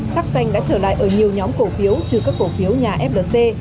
sắc xanh đã trở lại ở nhiều nhóm cổ phiếu trừ các cổ phiếu nhà flc